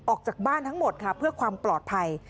ออกจากบ้านทั้งหมดค่ะเพื่อความปลอดภัย